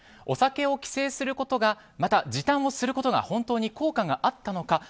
お酒を規制することがまた、時短をすることが本当に効果があったのか。